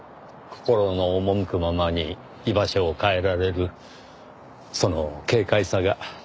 心の赴くままに居場所を変えられるその軽快さが。